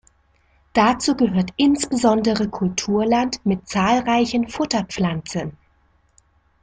Dazu gehört insbesondere Kulturland mit zahlreichen Futterpflanzen.